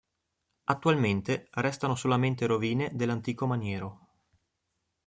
Attualmente restano solamente rovine dell'antico maniero.